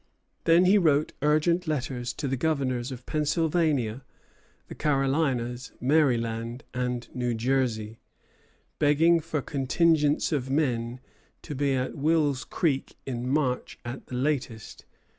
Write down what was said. Then he wrote urgent letters to the governors of Pennsylvania, the Carolinas, Maryland, and New Jersey, begging for contingents of men, to be at Wills Creek in March at the latest.